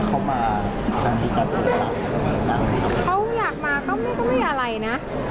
เขาอยากมาเนี่ยเขาไม่อะไรนะ